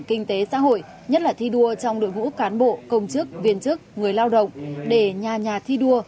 kinh tế xã hội nhất là thi đua trong đội ngũ cán bộ công chức viên chức người lao động để nhà nhà thi đua